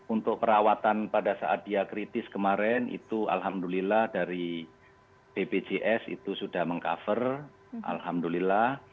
untuk perawatan pada saat dia kritis kemarin itu alhamdulillah dari bpjs itu sudah meng cover alhamdulillah